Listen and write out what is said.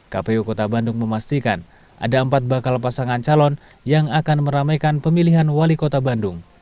kpu kota bandung memastikan ada empat bakal pasangan calon yang akan meramaikan pemilihan wali kota bandung